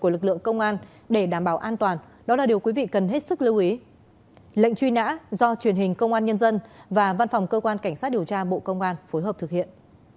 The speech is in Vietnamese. lệnh truy nã do truyền hình công an nhân dân và văn phòng cơ quan cảnh sát điều tra bộ công an phối hợp thực hiện